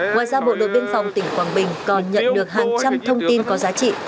ngoài ra bộ đội biên phòng tỉnh quảng bình còn nhận được hàng trăm thông tin có giá trị